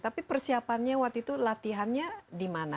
tapi persiapannya waktu itu latihannya dimana